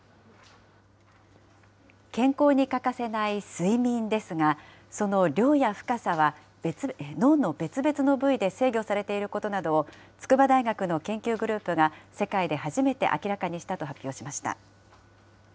健康に欠かせない睡眠ですが、その量や深さは脳の別々の部位で制御されていることなどを、筑波大学の研究グループが、世界で初めて明らかにしたと発表しました。